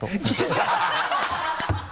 ハハハ